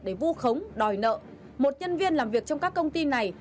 để vu khống đòi nợ một nhân viên làm việc trong các công ty này